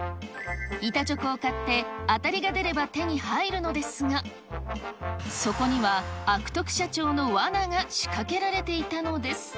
板チョコを買って、あたりが出れば手に入るのですが、そこには悪徳社長のわなが仕掛けられていたのです。